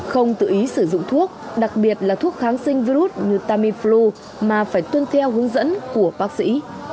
không tự ý sử dụng thuốc kháng sinh virus như tamiflu mà phải tuân theo hướng dẫn của bác sĩ